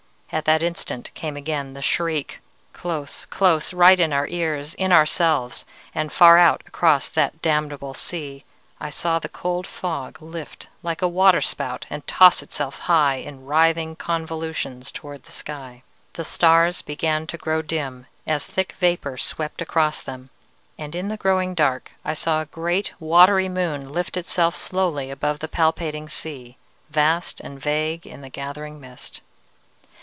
At that instant came again the shriek, close, close, right in our ears, in ourselves, and far out across that damnable sea I saw the cold fog lift like a water spout and toss itself high in writhing convolutions towards the sky. The stars began to grow dim as thick vapor swept across them, and in the growing dark I saw a great, watery moon lift itself slowly above the palpitating sea, vast and vague in the gathering mist.